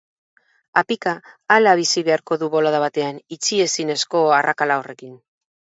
Apika, hala bizi beharko du bolada batean, itxi ezinezko arrakala horrekin.